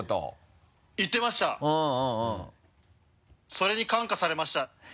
それに感化されました。